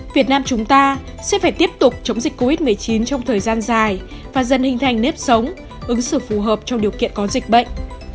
việt nam chúng ta sẽ phải tiếp tục chống dịch covid một mươi chín trong thời gian dài và dần hình thành nếp sống ứng xử phù hợp trong điều kiện có dịch bệnh